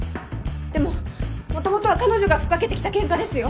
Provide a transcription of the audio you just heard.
でももともとは彼女が吹っかけてきたケンカですよ。